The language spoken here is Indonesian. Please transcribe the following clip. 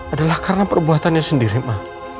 adalah karena perbuatannya sendiri mah